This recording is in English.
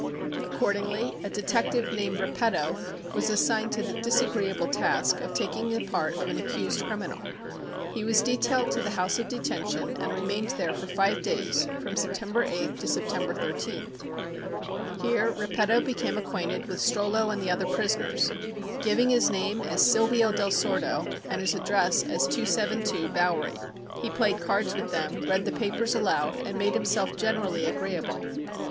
Accordingly, a detective named Repetto was assigned to the disagreeable task of taking the part of an accused criminal. He was detailed to the House of Detention and remained there for five days, from September 8 to September 13. Here Repetto became acquainted with Strollo and the other prisoners, giving his name as Silvio del Sordo and his address as 272 Bowery. He played cards with them, read the papers aloud and made himself generally agreeable.